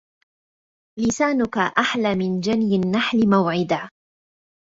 لسانك أحلى من جني النحل موعدا